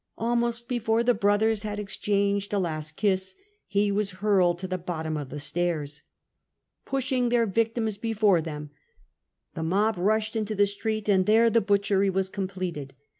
Almost before the brothers had exchanged a last kiss he was hurled to the bottom of the stairs. Pushing their victims before them the mob rushed into the street, and there the butchery was completed.